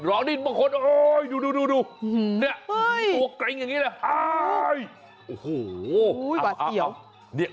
โอ้โหเอา